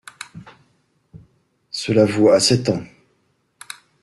Cela vous a sept ans.